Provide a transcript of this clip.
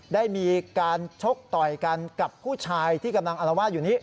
ได้มีการชกต่อยกันกับผู้ชายที่กำลังอารวาสอยู่นี้